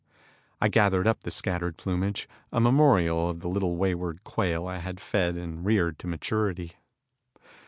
I gathered up the scattered plumage, a memorial of the little wayward quail I had fed and reared to maturity.